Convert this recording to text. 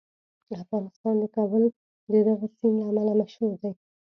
افغانستان د کابل د دغه سیند له امله مشهور دی.